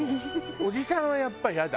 おじさんはやっぱりイヤだ？